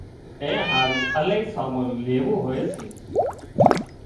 اين هارُو الاهي سامان ليوون هوئي سي